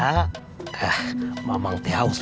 ah mamang teh haus